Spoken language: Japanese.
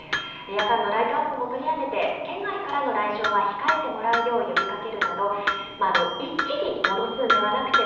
夜間のライトアップも取りやめて、県外からの来場は控えてもらうよう呼びかけるなど、一気に戻すんではなくて、